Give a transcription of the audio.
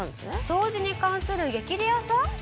掃除に関する激レアさん？